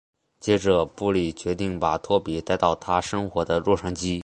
接着布莉决定把拖比带到他生活的洛杉矶。